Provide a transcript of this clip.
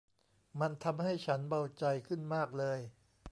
มันทำให้ฉันเบาใจขึ้นมากเลย